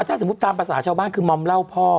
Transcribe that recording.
ถ้าสมมุติตามภาษาชาวบ้านคือมอมเหล้าพ่อ